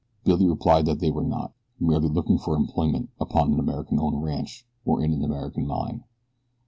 Billy replied that they were not merely looking for employment upon an American owned ranch or in an American mine.